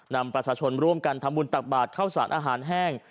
นำประชาชนร่วมกันทำบุญตักบาทเข้าสารอาหารแห้ง